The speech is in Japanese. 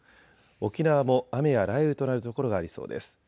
沖縄も雨や雷雨となる所がありそうです。